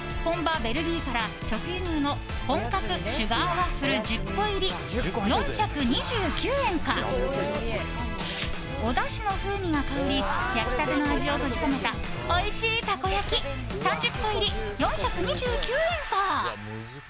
ベルギーから直輸入の本格シュガーワッフル１０個入り４２９円かおだしの風味が香り焼きたての味を閉じ込めたおいしいたこ焼き３０個入り４２９円か。